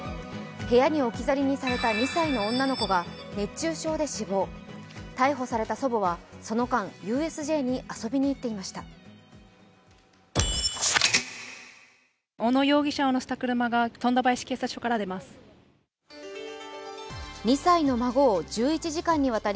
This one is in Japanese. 部屋に置き去りにされた２歳の女の子が熱中症で死亡、逮捕された祖母はその間ＵＳＪに遊びに行っていました。